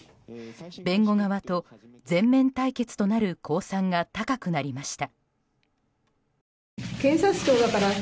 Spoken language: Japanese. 弁護側と全面対決となる公算が高くなりました。